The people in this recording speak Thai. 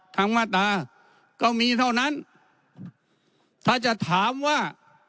มาตราก็มีเท่านั้นถ้าจะถามว่า